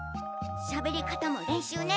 しゃべりかたもれんしゅうね。